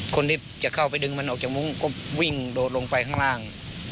คนที่จะเข้าไปดึงมันออกจากมุ้งก็วิ่งโดดลงไปข้างล่าง